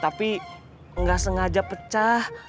tapi gak sengaja pecah